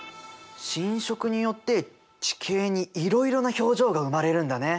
侵食によって地形にいろいろな表情が生まれるんだね。